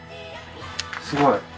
すごい。